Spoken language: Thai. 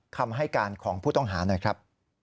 คำให้การของผู้ต้องหาหน่อยครับ